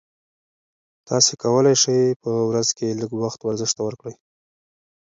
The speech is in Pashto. تاسي کولای شئ په ورځ کې لږ وخت ورزش ته ورکړئ.